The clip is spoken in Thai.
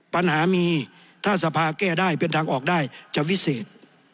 ปัญหามีถ้าสภาแก้ได้เป็นทางออกได้จะวิเศษ